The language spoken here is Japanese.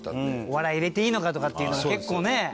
お笑い入れていいのかとかっていうのも結構ね。